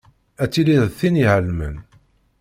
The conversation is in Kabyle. Ad tiliḍ d tin iεelmen.